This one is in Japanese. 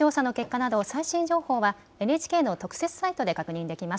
出口調査の結果など、最新情報は、ＮＨＫの特設サイトで確認できま